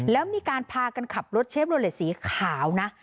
แล้วมีการพากันขับรถเชฟโลเลสสีขาวนะ